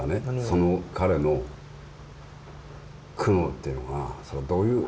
その彼の苦悩っていうのはどういう？